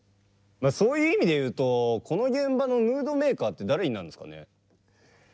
そういう意味で言うとこの現場のムードメーカーって誰になるんですかね？